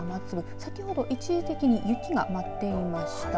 先ほど一時的に雪が舞っていました。